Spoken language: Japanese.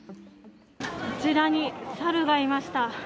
こちらに猿がいました。